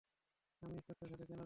আমি ইন্সপেক্টরের সাথে কেন দেখা করবো?